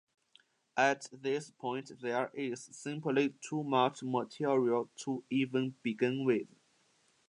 At this point there is simply too much material to even begin with.